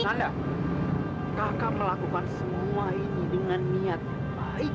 kalau kakak melakukan semua ini dengan niat baik